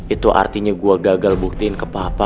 itu artinya saya gagal membuktikan kepada papa